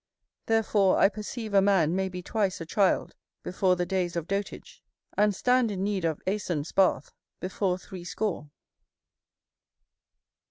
Therefore I perceive a man may be twice a child, before the days of dotage; and stand in need of Æson's bath before threescore.